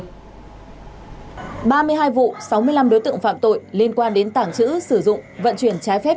ba mươi hai vụ sáu mươi năm đối tượng phạm tội liên quan đến tảng chữ sử dụng vận chuyển trái phép